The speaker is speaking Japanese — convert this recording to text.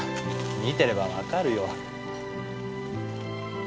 見てれば分かるよ。